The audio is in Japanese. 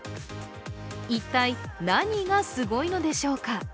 一体、何がすごいのでしょうか。